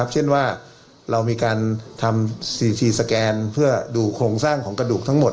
เช่นว่าเรามีการทำซีทีสแกนเพื่อดูโครงสร้างของกระดูกทั้งหมด